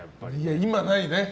今、ないね。